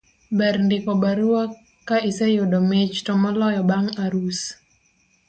ber ndiko barua ka iseyudo mich to moloyo bang' arus